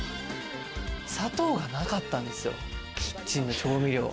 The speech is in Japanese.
砂糖がなかったんですよ、キッチンの調味料。